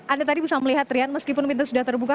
anda tadi bisa melihat rian meskipun pintu sudah terbuka